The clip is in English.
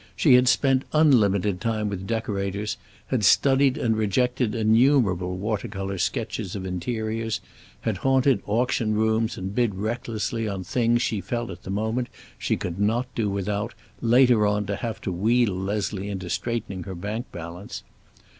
She had spent unlimited time with decorators, had studied and rejected innumerable water color sketches of interiors, had haunted auction rooms and bid recklessly on things she felt at the moment she could not do without, later on to have to wheedle Leslie into straightening her bank balance.